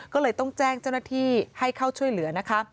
ก็เลยต้องแจ้งเจ้าหน้าที่ให้เข้าช่วยเหลือนะคะ